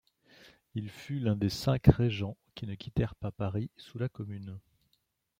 Il fut l'un des cinq régents qui ne quittèrent pas Paris sous la Commune.